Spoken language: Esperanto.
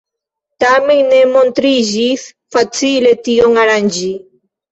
Tamen ne montriĝis facile tion aranĝi.